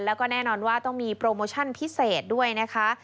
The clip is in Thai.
แล้วก็แน่นอนว่าต้องมีโปรโมชั่นพิเศษด้วยนะคะ